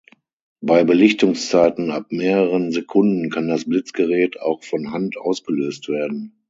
Bei Belichtungszeiten ab mehreren Sekunden kann das Blitzgerät auch von Hand ausgelöst werden.